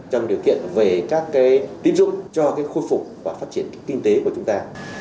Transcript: trong điều kiện về các tín dụng cho khôi phục và phát triển kinh tế của chúng ta